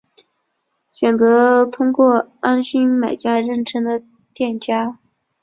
选择通过安心卖家认证的店家